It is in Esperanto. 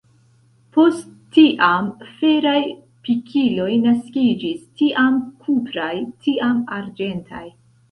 Post tiam, feraj pikiloj naskiĝis, tiam kupraj, tiam arĝentaj.